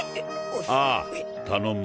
ああ頼む。